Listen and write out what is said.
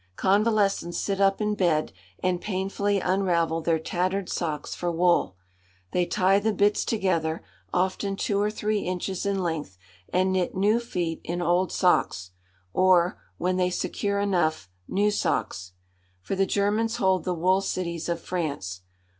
Convalescents sit up in bed and painfully unravel their tattered socks for wool. They tie the bits together, often two or three inches in length, and knit new feet in old socks, or when they secure enough new socks. For the Germans hold the wool cities of France.